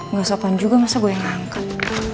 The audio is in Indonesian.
gak sopan juga masa gue yang ngangkat